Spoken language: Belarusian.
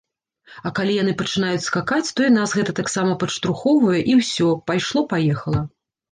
А калі яны пачынаюць скакаць, то і нас гэта таксама падштурхоўвае і ўсё, пайшло-паехала.